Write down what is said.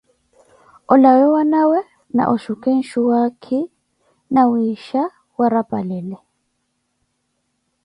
Olawe wanawe na oxhukhe nsuwaakhi, nawiixha warapalele.